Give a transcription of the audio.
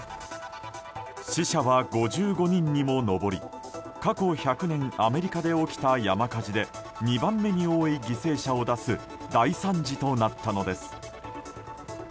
死者は５５人にも上り過去１００年アメリカで起きた山火事で２番目に多い犠牲者を出す大惨事となったのです。